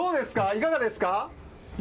いかがですか。